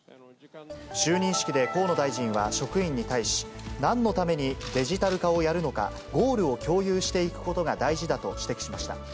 就任式で、河野大臣は職員に対し、なんのためにデジタル化をやるのか、ゴールを共有していくことが大事だと指摘しました。